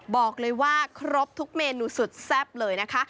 บอกเลยว่าครบทุกเมนูสุดแซ่บเลยนะคะ